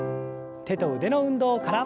手と腕の運動から。